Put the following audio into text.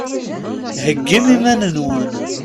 Heyyim iman-nwen!